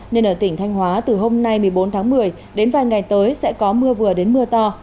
nên ở tỉnh thanh hóa từ hôm nay một mươi bốn tháng một mươi đến vài ngày tới sẽ có mưa vừa đến mưa to